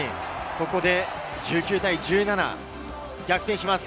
ここで１９対１７、逆転します。